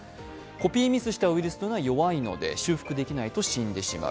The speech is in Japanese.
コピーミスしたウイルスというのは弱いので修復できないと死んでしまう。